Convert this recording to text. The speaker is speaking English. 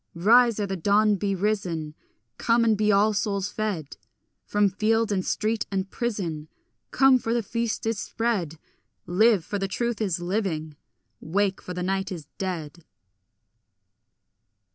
Rise, ere the dawn be risen; Come, and be all souls fed; From field and street and prison Come, for the feast is spread; Live, for the truth is living; wake, for night is dead.